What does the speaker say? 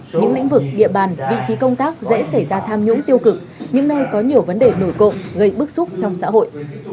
trong những lĩnh vực địa bàn vị trí công tác dễ xảy ra tham nhũng tiêu cực những nơi có nhiều vấn đề nổi cộng gây bức xúc trong xã hội